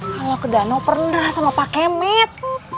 kalau ke danau pernah sama pak kemit